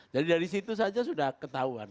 jadi dari situ saja sudah ketahuan